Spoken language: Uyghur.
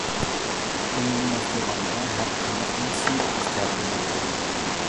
ئومۇملاشتۇرغاندا، ھەرقانداق نەرسىنىڭ ئىككى تەرىپى بولىدۇ.